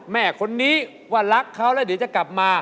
แม่คนนี้ว่ารักเขาแล้วเดี๋ยวจะกลับมา